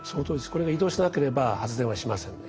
これが移動しなければ発電はしませんね。